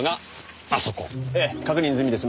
ええ確認済みです。